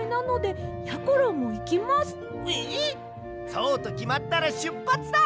そうときまったらしゅっぱつだ！